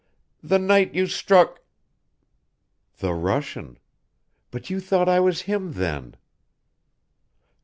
"The night you struck " "The Russian but you thought I was him then."